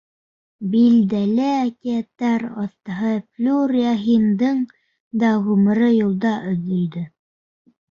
Билдәле әкиәттәр оҫтаһы Флүр Яхиндың да ғүмере юлда өҙөлдө.